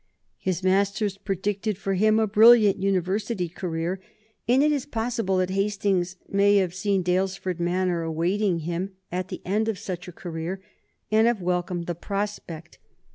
His masters predicted for him a brilliant University career, and it is possible that Hastings may have seen Daylesford Manor awaiting him at the end of such a career, and have welcomed the prospect.